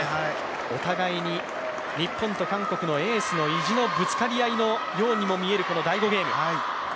お互いに日本と韓国のエースの意地のぶつかり合いのようにも見えるこの第５ゲーム。